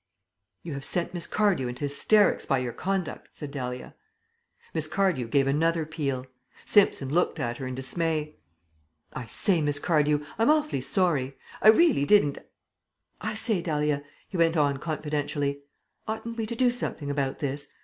"You have sent Miss Cardew into hysterics by your conduct," said Dahlia. Miss Cardew gave another peal. Simpson looked at her in dismay. "I say, Miss Cardew, I'm most awfully sorry. I really didn't I say, Dahlia," he went on confidentially, "oughtn't we to do something about this?